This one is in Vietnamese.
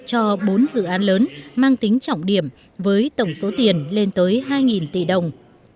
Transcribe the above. cho bốn dự án lớn mang tính trọng điểm với tổng số tiền lên tới hai tỷ đồng